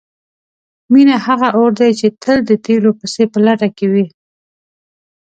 مینه هغه اور دی چې تل د تیلو پسې په لټه کې وي.